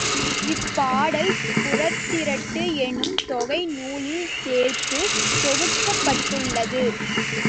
இப்பாடல், புறத்திரட்டு என்னும் தொகை நூலில் சேர்த்துத் தொகுக்கப்பட்டுள்ளது.